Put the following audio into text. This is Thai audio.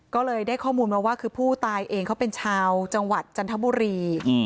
ก็เลยได้ข้อมูลมาว่าคือผู้ตายเองเขาเป็นชาวจังหวัดจันทบุรี